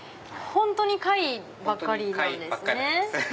本当に貝ばっかりなんです。